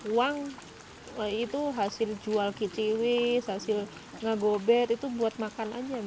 uang itu hasil jual kiciwis hasil ngegobet itu buat makan aja